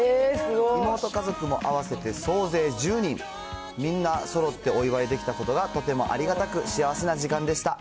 妹家族も合わせて総勢１０人、みんなそろってお祝いできたことがとてもありがたく、幸せな時間でした。